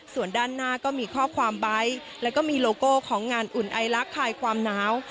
ส่วนด้านหน้าก็มีข้อความไบท์แล้วก็มีโลโก้ของงานอุ่นไอลักษายความหนาว